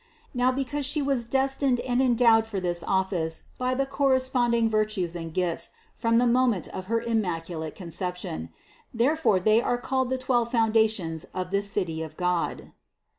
Now, be cause She was destined and endowed for this office by the corresponding virtues and gifts from the moment of her Immaculate Conception, therefore they are called the twelve foundations of this City of God.